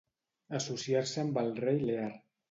Associar-se amb el rei Lear.